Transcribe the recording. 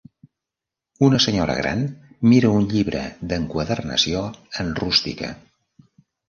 Una senyora gran mira un llibre d'enquadernació en rústica.